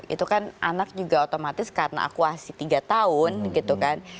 itu kan anak juga otomatis karena aku masih tiga tahun gitu kan